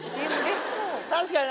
確かに。